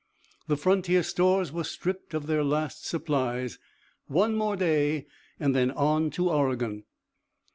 The frontier stores were stripped of their last supplies. One more day, and then on to Oregon!